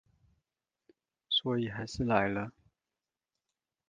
所以還是來了